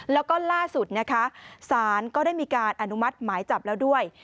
แล้วก็ล่าสุดนะคะศาลก็ได้มีการอนุมัติหมายจับแล้วด้วย